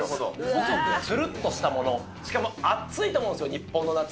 細くつるっとしたもの、しかも暑いと思うんですよ、日本の夏。